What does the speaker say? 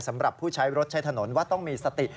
สำหรับผู้ใช้รถใช้ถนนว่าต้องมีสติ